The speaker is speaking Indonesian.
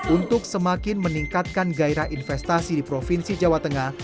untuk semakin meningkatkan gairah investasi di provinsi jawa tengah